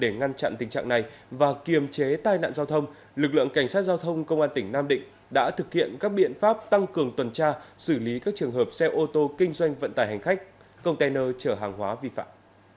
ngày và kiềm chế tai nạn giao thông lực lượng cảnh sát giao thông công an tỉnh nam định đã thực hiện các biện pháp tăng cường tuần tra xử lý các trường hợp xe ô tô kinh doanh vận tài hành khách container chở hàng hóa vi phạm